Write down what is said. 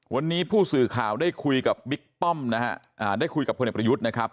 วันนี้ผู้สื่อข่าวได้คุยกับบิ๊กป้อมนะฮะได้คุยกับพลเอกประยุทธ์นะครับ